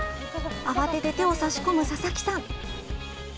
慌てて手を差し込む佐々木さん。